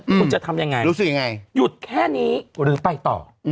คุณจะทำยังไงรู้สึกยังไงหยุดแค่นี้หรือไปต่อ